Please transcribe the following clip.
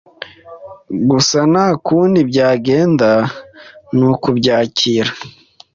gusa nta kundi byagenda nukubyakira